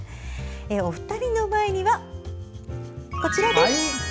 お二人の前には、こちらです！